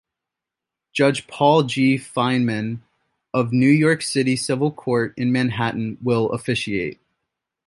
Judge Paul G. Feinman of New York City Civil Court in Manhattan will officiate.